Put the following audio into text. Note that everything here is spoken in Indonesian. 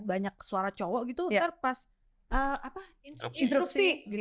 banyak suara cowok gitu nanti pas instruksi